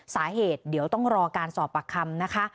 สาเหตุเดี๋ยวต้องรอการสอบปากคำนะคะ